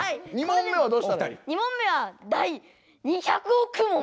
２問目は「第２００億問！」